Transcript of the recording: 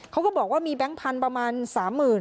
เขาก็บอกว่ามีแบงค์พันธุ์ประมาณ๓๐๐๐